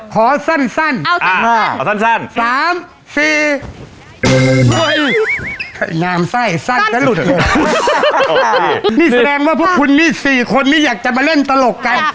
สั้นขอสั้น๓๔นามไส้สั้นจะหลุดเลยนี่แสดงว่าพวกคุณนี่๔คนนี้อยากจะมาเล่นตลกกัน